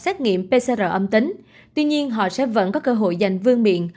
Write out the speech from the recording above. nếu họ không đưa ra được kết quả xét nghiệm pcr âm tính tuy nhiên họ sẽ vẫn có cơ hội dành vương miệng